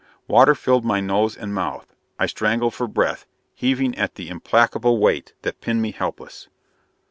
Water filled my nose and mouth. I strangled for breath, heaving at the implacable weight that pinned me helpless.